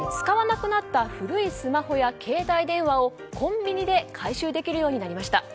使わなくなった古いスマホや携帯電話をコンビニで回収できるようになりました。